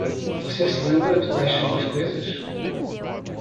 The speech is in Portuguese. Você se lembra de quais são as coisas?